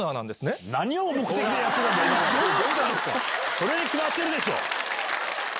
それに決まってるでしょ！